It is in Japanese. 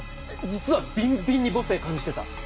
実はビンビンに母性感じてた。